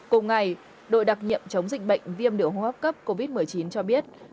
cùng ngày đội đặc nhiệm chống dịch bệnh viêm đường hô hấp cấp covid một mươi chín cho biết